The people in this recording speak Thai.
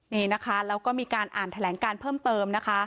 นี่นะคะเราก็มีการอ่านแถลงการเพิ่มเติม